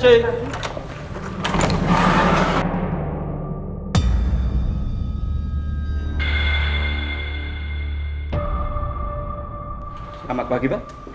hai selamat pagi